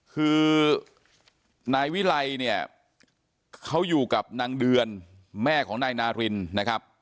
คือนายวิไลเนี่ยเขาอยู่กับนางเดือนแม่ของนายนารินนะครับ